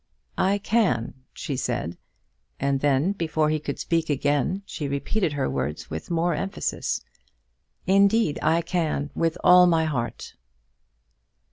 "I can," she said; and then, before he could speak again, she repeated her words with more emphasis. "Indeed I can; with all my heart."